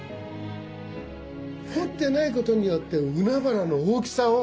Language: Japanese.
彫ってないことによって海原の大きさを。